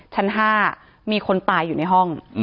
ชั้น๕มีคนตายอยู่ในห้อง